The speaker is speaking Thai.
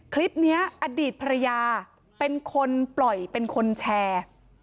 คลิปนี้อดีตพระยาเป็นคนปล่อยเป็นคนแชร์